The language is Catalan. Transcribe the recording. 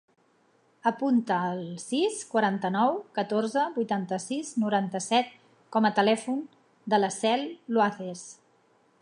Apunta el sis, quaranta-nou, catorze, vuitanta-sis, noranta-set com a telèfon de la Cel Luaces.